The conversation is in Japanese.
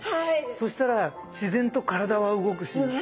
そしたら自然と体は動くし波紋です。